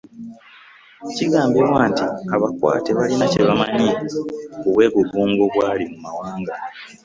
Kigambibwa nti abakwate balina kye bamanyi ku bwegungo obwali mu ggwanga